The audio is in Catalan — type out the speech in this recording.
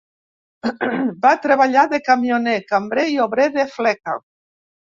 Va treballar de camioner, cambrer i obrer de fleca.